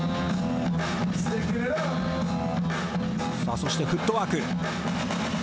そしてフットワーク。